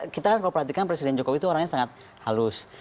kita kan kalau perhatikan presiden jokowi itu orangnya sangat halus